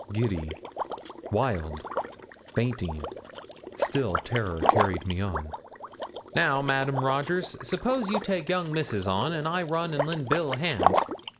Giddy wild fainting still terror carried me on. 'Now, Madame Rogers s'pose you take young Misses on I must run and len' Bill a hand.'